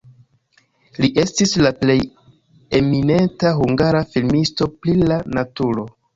Li estis la plej eminenta hungara filmisto pri la naturo.